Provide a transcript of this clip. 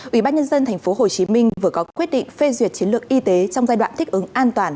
ủy ban nhân dân tp hcm vừa có quyết định phê duyệt chiến lược y tế trong giai đoạn thích ứng an toàn